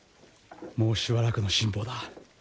もうしばらくの辛抱だ。